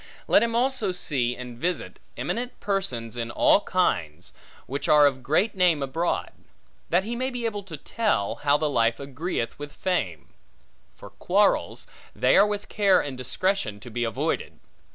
Let him also see, and visit, eminent persons in all kinds, which are of great name abroad; that he may be able to tell, how the life agreeth with the fame. For quarrels, they are with care and discretion to be avoided.